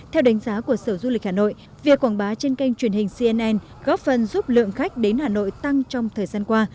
theo đánh giá của sở du lịch hà nội việc quảng bá trên kênh truyền hình cnn góp phần giúp lượng khách đến hà nội tăng trong thời gian qua